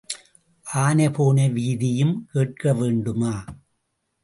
ஆனை போன வீதியையும் கேட்க வேண்டுமா?